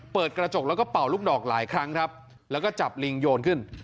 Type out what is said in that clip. เปิดกระจกแล้วก็เป่าลูกดอกหลายครั้งครับแล้วก็จับลิงโยนขึ้น